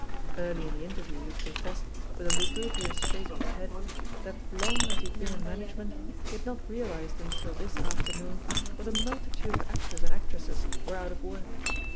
Early in the interview he confessed, with a lugu brious shake of the head, that long as he had been in management, he had not realised until this afternoon what a multitude of actors and actresses were out of work.